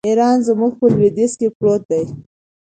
ایران زموږ په لوېدیځ کې پروت دی.